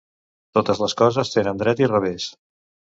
Totes les coses tenen dret i revés.